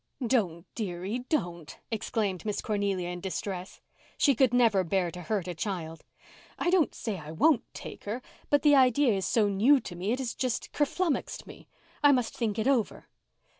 "Don't—dearie—don't," exclaimed Miss Cornelia in distress. She could never bear to hurt a child. "I don't say I won't take her—but the idea is so new it has just kerflummuxed me. I must think it over."